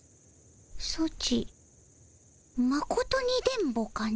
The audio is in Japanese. ソチまことに電ボかの？